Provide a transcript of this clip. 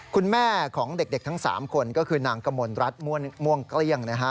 คุณแม่ของเด็กทั้ง๓คนก็คือนางกมลรัฐม่วงเกลี้ยงนะฮะ